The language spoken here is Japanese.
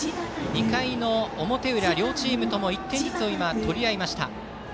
２回の表裏、両チームとも１点ずつ取り合いました。